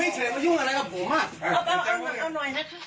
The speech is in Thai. เอาหน่อยนะคะ